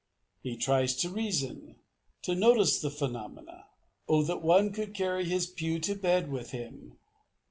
He tries to reason, to notice the phenomena. Oh, that one could carry his pew to bed with him!